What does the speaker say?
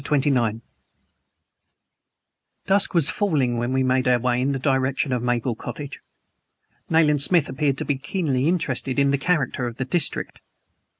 CHAPTER XXIX DUSK was falling when we made our way in the direction of Maple Cottage. Nayland Smith appeared to be keenly interested in the character of the district.